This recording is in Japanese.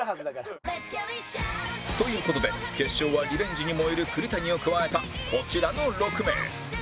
という事で決勝はリベンジに燃える栗谷を加えたこちらの６名